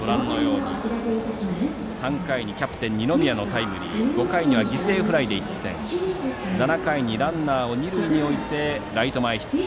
３回にキャプテン、二宮のタイムリー５回には犠牲フライで１点７回にランナーを二塁に置いてライト前ヒット。